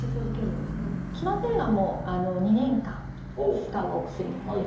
決まってるのは２年間使うお薬なんですね。